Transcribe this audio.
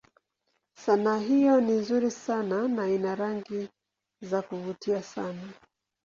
Sanaa hiyo ni nzuri sana na ina rangi za kuvutia sana.